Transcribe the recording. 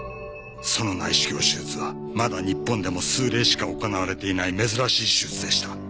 その内視鏡手術はまだ日本でも数例しか行われていない珍しい手術でした。